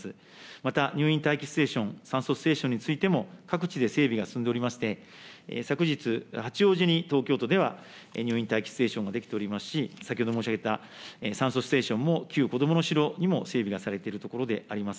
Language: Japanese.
また、入院待機ステーション、酸素ステーションについても、各地で整備が進んでおりまして、昨日、八王子に東京都では入院待機ステーションが出来ておりますし、先ほど申し上げた酸素ステーションも旧こどもの城にも整備がされているところであります。